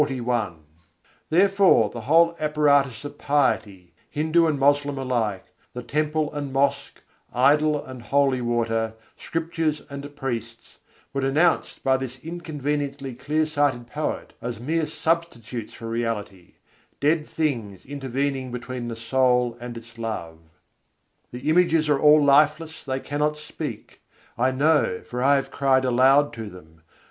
] Therefore the whole apparatus of piety, Hindu and Moslem alike the temple and mosque, idol and holy water, scriptures and priests were denounced by this inconveniently clear sighted poet as mere substitutes for reality; dead things intervening between the soul and its love /* The images are all lifeless, they cannot speak: I know, for I have cried aloud to them.